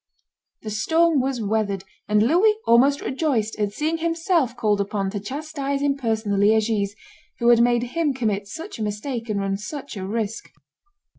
The storm was weathered; and Louis almost rejoiced at seeing himself called upon to chastise in person the Liegese, who had made him commit such a mistake and run such a risk.